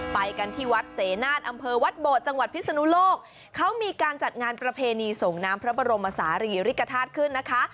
ไปกันที่วัดเสนาศอำเภอวัดโบดจังหวัดพิศนุโลกเขามีการจัดงานประเพณีส่งน้ำพระบรมศาลีริกฐาตุขึ้นนะคะ